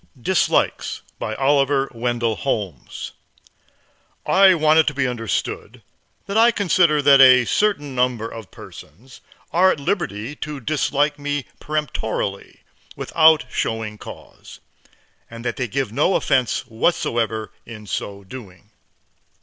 DISLIKES BY OLIVER WENDELL HOLMES I want it to be understood that I consider that a certain number of persons are at liberty to dislike me peremptorily, without showing cause, and that they give no offense whatever in so doing.